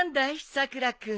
さくら君。